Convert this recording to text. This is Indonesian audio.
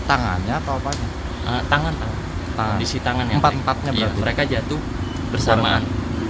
tangannya atau apa tangan isi tangan empat empatnya mereka jatuh bersamaan